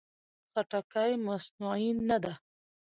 خټکی مصنوعي نه ده.